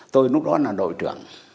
tôi lúc đó là đội trưởng